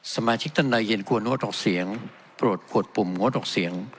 สมาชิกท่านใดเย็นควรงดออกเสียงโปรดกวดปุ่มงดออกเสียง